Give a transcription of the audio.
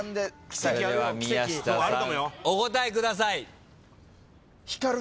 お答えください。